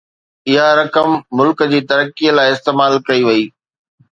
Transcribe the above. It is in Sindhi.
اها رقم ملڪ جي ترقي لاءِ استعمال ڪئي وئي